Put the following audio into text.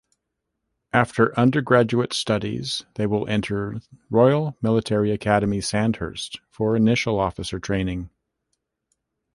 After undergraduate studies they will enter Royal Military Academy Sandhurst for initial officer training.